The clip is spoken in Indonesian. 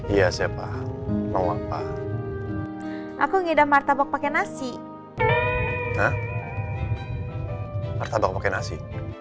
iya siapa mau apa aku ngidam martabak pakai nasi